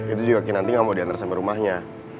itu juga kinanti nggak mau diantar sampai rumahnya